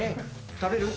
食べる？